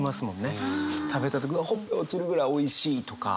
食べた時「ほっぺが落ちるぐらいおいしい」とか。